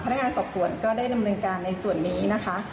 นักงานสอบสวนก็ได้ดำเนินการในส่วนนี้นะคะ